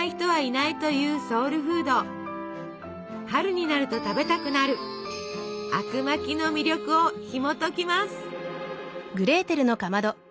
春になると食べたくなるあくまきの魅力をひもときます。